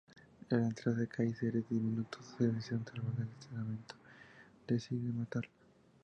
Al enterarse que hay seres diminutos que desean salvar el testamento, decide matarlos.